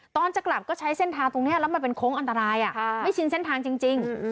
ตอนจะกลับก็ใช้เส้นทางตรงนี้แล้วมันเป็นโค้งอันตรายไม่ชินเส้นทางจริง